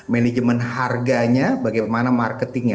manajemen harganya bagaimana marketingnya